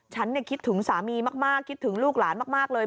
ฉันคิดถึงสามีมากคิดถึงลูกหลานมากเลย